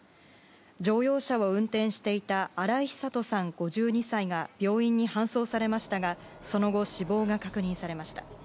乗用車を運転していた荒井久登さん、５２歳が病院に搬送されましたがその後、死亡が確認されました。